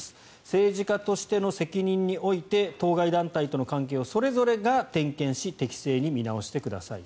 政治家としての責任において当該団体との関係をそれぞれが点検し適正に見直してください。